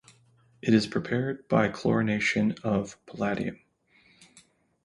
It is prepared by chlorination of palladium.